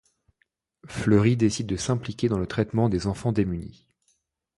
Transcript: Fleury décide de s’impliquer dans le traitement des enfants démunis.